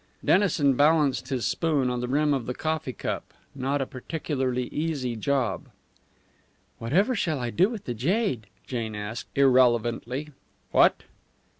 Dennison balanced his spoon on the rim of the coffee cup not a particularly easy job. "Whatever shall I do with the jade?" Jane asked, irrelevantly. "What?"